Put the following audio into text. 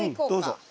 どうぞ。